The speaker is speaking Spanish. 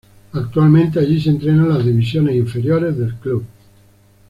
Actualmente allí se entrenan las divisiones inferiores del club.